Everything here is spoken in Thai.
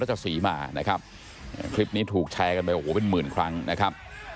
จะศรีมานะครับคลิปนี้ถูกแชร์กันไปโอ้โหเป็นหมื่นครั้งนะครับ